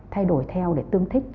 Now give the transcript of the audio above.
thay đổi theo để tương thích